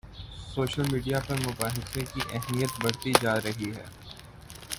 Social media پر مباحثے کی اہمیت بڑھتی جا رہی ہے۔